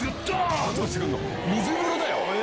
水風呂だよ！